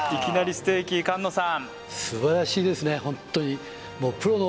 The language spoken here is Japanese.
ステーキ菅野さん